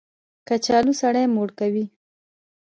کچالو سړی مړ کوي